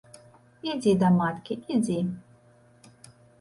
Ідзі да маткі, ідзі.